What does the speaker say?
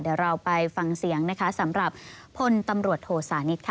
เดี๋ยวเราไปฟังเสียงนะคะสำหรับพลตำรวจโทสานิทค่ะ